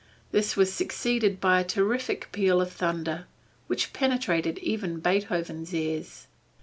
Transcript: This was succeeded by a terrific peal of thunder which penetrated even Beethoven's ears.